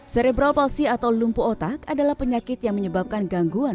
serebral palsi atau lumpuh otak adalah penyakit yang menyebabkan gangguan